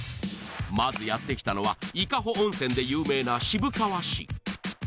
まずやって来たのは伊香保温泉で有名な渋川市